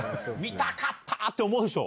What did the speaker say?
見たかった！って思うでしょ？